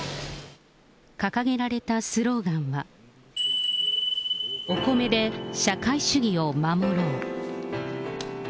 掲げられたスローガンは、お米で社会主義を守ろう。